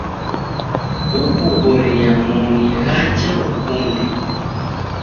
Ukughoriaa moni ghaja ukunde.